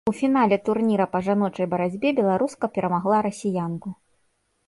У фінале турніра па жаночай барацьбе беларуска перамагла расіянку.